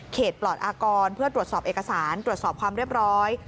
ปลอดอากรเพื่อตรวจสอบเอกสารตรวจสอบความเรียบร้อย